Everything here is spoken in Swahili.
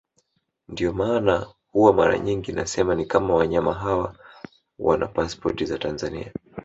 Ndio maana huwa mara nyingi nasema ni kama wanyama hawa wana pasipoti za Tanzania